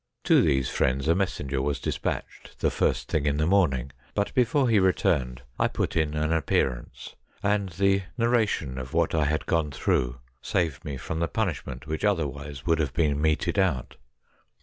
To these friends a messenger was despatched the first thing in the morning, hut before he resumed I put in an appearance, and the narration of what I had gone through saved me from the punishment which otherwise would have been meted out.